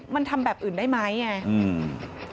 มันทำแบบอื่นได้ไหม